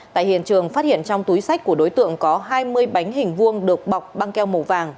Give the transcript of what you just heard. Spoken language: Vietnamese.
tại hiện trường phát hiện trong túi sách của đối tượng có hai mươi bánh hình vuông được bọc băng keo màu vàng